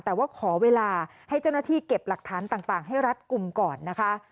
แต่ว่าขอเวลาให้เจ้าหน้าที่เก็บหลักฐานต่างให้รัดกลุ่มก่อนนะคะ